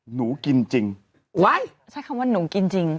หนูกินจริงว้ายใช้คำว่าหนูกินจริง